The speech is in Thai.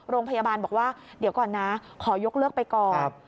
โรงพยาบาลบอกว่าเดี๋ยวก่อนนะขอยกเลิกไปก่อน